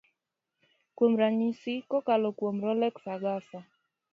kuom ranyisi. kokalo kuom Rolex Agasa